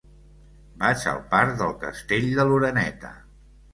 Vaig al parc del Castell de l'Oreneta.